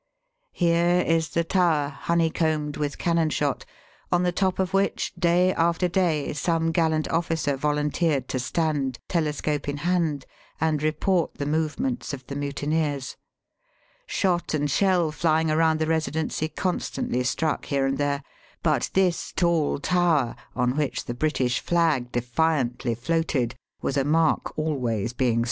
Here is the tower, honeycombed with cannon shot, on the top of which day after day some gallant oflBcer volunteered to stand, telescope in hand, and report the movements of the mutineers. Shot and shell flying around the Eesidency constantly struck here and there; but this tall tower, on which the British flag defiantly floated, was a mark always being Digitized by VjOOQIC THE BESIDENCY AT LUCKNOW.